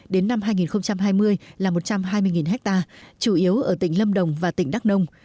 đến năm hai nghìn hai mươi là một trăm hai mươi ha chủ yếu ở tỉnh lâm đồng và tỉnh đắk nông